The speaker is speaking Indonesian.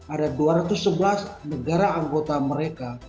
ada dua ratus sebelas negara anggota mereka